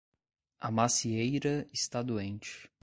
A macieira está doente